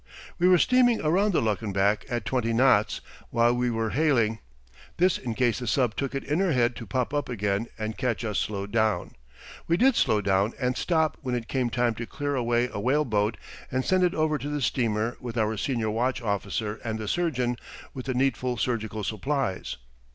We were steaming around the Luckenbach at twenty knots while we were hailing: this in case the sub took it in her head to pop up again and catch us slowed down. We did slow down and stop when it came time to clear away a whale boat and send it over to the steamer with our senior watch officer and the surgeon, with the needful surgical supplies.